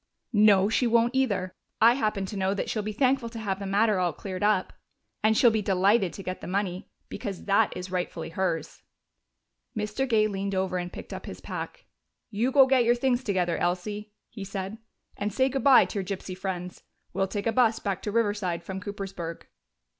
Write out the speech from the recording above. "No, she won't either. I happen to know that she'll be thankful to have the matter all cleared up. And she'll be delighted to get the money, because that is rightfully hers." Mr. Gay leaned over and picked up his pack. "You go get your things together, Elsie," he said, "and say good bye to your gypsy friends. We'll take a bus back to Riverside from Coopersburg."